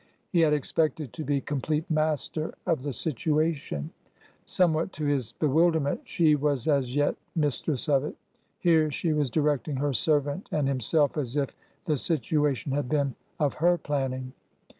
He had expected to be complete master of the situation. Somewhat to his be v/ilderment, she was a^ yet mistress of it. Here she was directing her servant and himself as if the situation had been of her planning.